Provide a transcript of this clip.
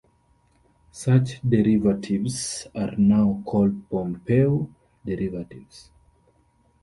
Such derivatives are now called Pompeiu derivatives.